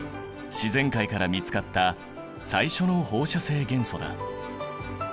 自然界から見つかった最初の放射性元素だ。